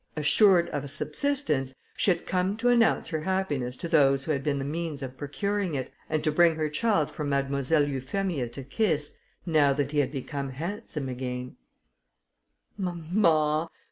Assured of a subsistence, she had come to announce her happiness to those who had been the means of procuring it, and to bring her child for Mademoiselle Euphemia to kiss, now that he had become handsome again. "Mamma!